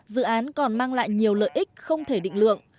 dự án còn mang lại nhiều lợi ích không thể định lượng